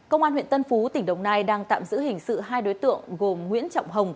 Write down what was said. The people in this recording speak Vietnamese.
công an huyện tân phú tỉnh đồng nai đang tạm giữ hình sự hai đối tượng gồm nguyễn trọng hồng